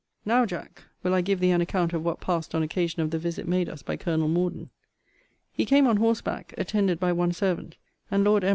Now, Jack, will I give thee an account of what passed on occasion of the visit made us by Col. Morden. He came on horseback, attended by one servant; and Lord M.